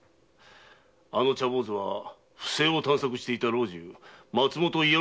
あの茶坊主は不正を探索していた松本伊予